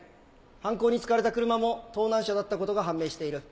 犯行に使われた車も盗難車だったことが判明している。